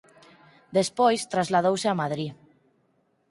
Despois trasladouse a Madrid.